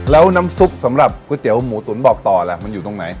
แล้วน้ำซุปสำหรับก๋วยเตี๋ยวหมูตุ๋นบอกต่อล่ะมันอยู่ตรงไหน